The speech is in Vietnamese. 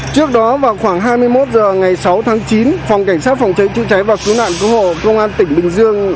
trước đó vào khoảng hai mươi một h ngày sáu tháng chín phòng cảnh sát phòng cháy chữa cháy và cứu nạn cứu hộ công an tỉnh bình dương